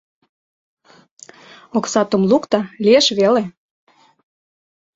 Оксатым лук да, лиеш веле.